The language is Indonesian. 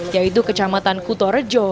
yaitu kecamatan kutorejo